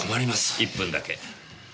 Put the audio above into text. １分だけ。